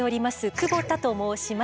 久保田と申します。